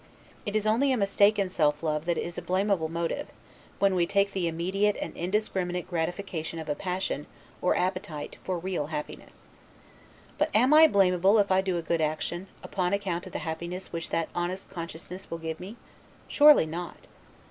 It is only a mistaken self love that is a blamable motive, when we take the immediate and indiscriminate gratification of a passion, or appetite, for real happiness. But am I blamable if I do a good action, upon account of the happiness which that honest consciousness will give me? Surely not.